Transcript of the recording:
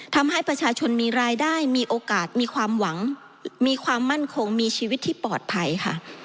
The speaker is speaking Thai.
ทำให้ประชาชนมีรายได้มีโอกาสมีความหวังมีความมั่นคงมีชีวิตที่ปลอดภัยค่ะ